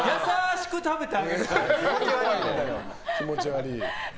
気持ち悪いな。